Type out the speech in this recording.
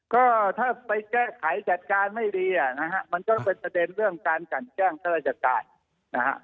ก็ถ้าไปแก้ไขจัดการไม่ดีอ่ะนะฮะมันก็เป็นประเด็นเรื่องการกันแกล้งข้าราชการนะฮะ